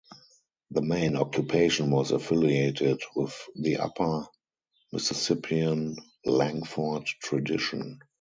The main occupation was affiliated with the Upper Mississippian Langford Tradition.